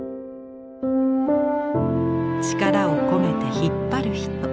力を込めて引っ張る人。